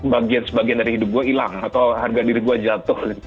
bagian sebagian dari hidup gue hilang atau harga diri gue jatuh